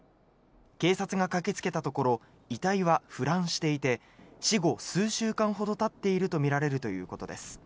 警察が駆けつけたところ遺体は腐乱していて死後数週間ほどたっているとみられるということです。